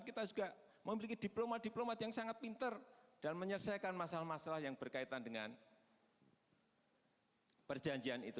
kita juga memiliki diplomat diplomat yang sangat pinter dan menyelesaikan masalah masalah yang berkaitan dengan perjanjian itu